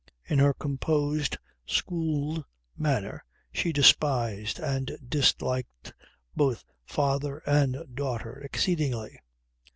In her composed, schooled manner she despised and disliked both father and daughter exceedingly.